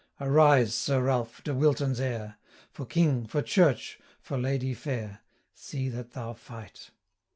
Arise, Sir Ralph, De Wilton's heir! For King, for Church, for Lady fair, See that thou fight.'